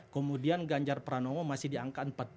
kemudian ganjar pranowo masih di angka empat puluh